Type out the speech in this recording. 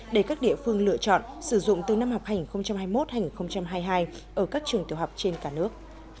để các địa phương lựa chọn sử dụng từ năm học hành hai mươi một hai nghìn hai mươi hai ở các trường tiểu học trên cả nước